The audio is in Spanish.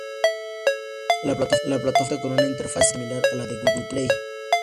La plataforma cuenta con una interfaz similar a la de Google Play.